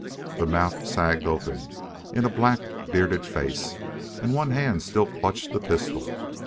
The mouth sagged open in a black, bearded face, and one hand still clutched a pistol.